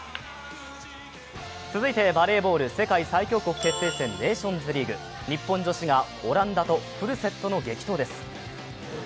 続いてバレーボール世界最強国決定戦、ネーションズリーグ、日本女子がオランダとフルセットの激闘です。